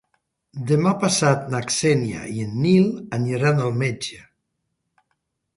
Demà passat na Xènia i en Nil aniran al metge.